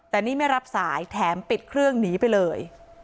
แต่นี่ไม่รับสายแถมปิดเครื่องหนีไปเลย